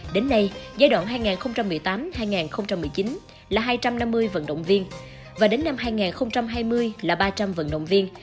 đến nay giai đoạn hai nghìn một mươi tám hai nghìn một mươi chín là hai trăm năm mươi vận động viên và đến năm hai nghìn hai mươi là ba trăm linh vận động viên